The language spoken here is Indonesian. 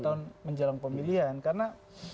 tahun menjelang pemilihan karena